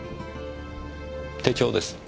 手帳です。